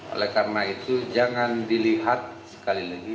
oleh karena itu jangan dilihat sekali lagi